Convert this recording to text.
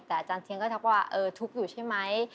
แต่อาจารย์เชียงก็ทักว่าเออทุกข์อยู่ใช่ไหม